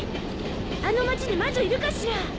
あの町に魔女いるかしら？